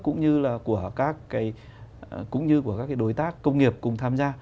cũng như là của các cái cũng như của các cái đối tác công nghiệp cùng tham gia